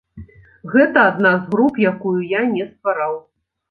Гэта адна з груп, якую я не ствараў.